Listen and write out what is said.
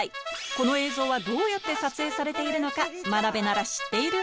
この映像はどうやって撮影されているのか真鍋なら知っているはず